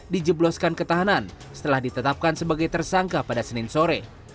dijebloskan ketahanan setelah ditetapkan sebagai tersangka pada senin sore